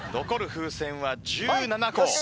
残る風船は１７個。